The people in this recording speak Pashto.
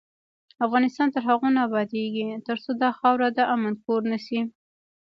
افغانستان تر هغو نه ابادیږي، ترڅو دا خاوره د امن کور نشي.